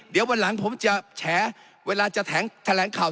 เดี๋ยววันหลังผมจะแฉเวลาจะแถลงข่าว